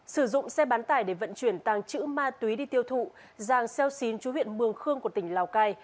sử dụng xe bán tải để vận chuyển tàng trữ ma túy đi tiêu thụ giàng xeo xín chú huyện mường khương của tỉnh lào cai